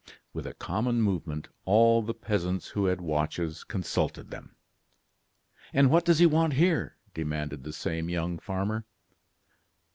'" With a common movement, all the peasants who had watches consulted them. "And what does he want here?" demanded the same young farmer.